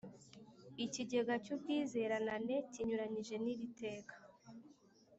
Ikigega cy ubwizeranane kinyuranyije n iri teka